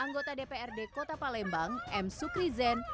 anggota dprd kota palembang m sukri zen